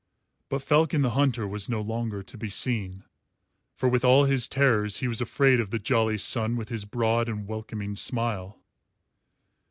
But Falcon the Hunter was no longer to be seen, for with all his terrors he was afraid of the jolly sun with his broad and welcoming smile.